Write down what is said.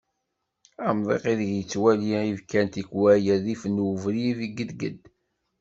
Amḍiq ideg yettwali ibkan tikwal rrif n ubrid gedged.